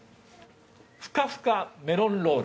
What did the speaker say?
深ふかメロンロール。